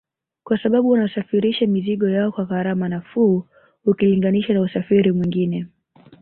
Kwa sababu wanasafirisha mizigo yao kwa gharama nafuu ukilinganisha na usafiri mwingine